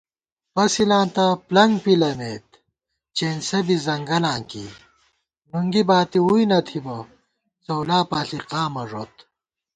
پسِلاں تہ پۡلنگ پِلَمېت چېنسہ بی ځنگلاں کی * نُنگی باتی ووئی نہ تِھبہ څؤلاپاݪی قامہ ݫوت